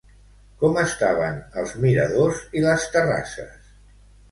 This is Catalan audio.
Com estaven els miradors i les terrasses?